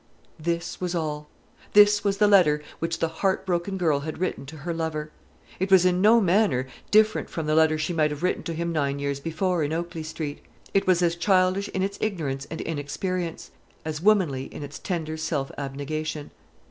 This was all. This was the letter which the heart broken girl had written to her lover. It was in no manner different from the letter she might have written to him nine years before in Oakley Street. It was as childish in its ignorance and inexperience; as womanly in its tender self abnegation.